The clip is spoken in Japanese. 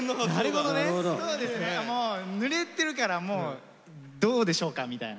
もうぬれてるからもう「どうでしょうか！」みたいな。